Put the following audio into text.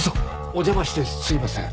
お邪魔してすみません。